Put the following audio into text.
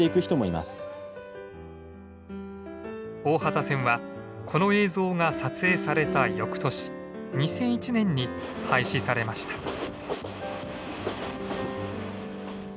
大畑線はこの映像が撮影されたよくとし２００１年に廃止されました。